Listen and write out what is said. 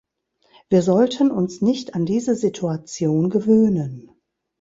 Wir sollten uns nicht an diese Situation gewöhnen.